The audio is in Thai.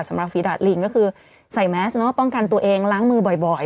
ฝีดาดลิงก็คือใส่แมสเนอะป้องกันตัวเองล้างมือบ่อย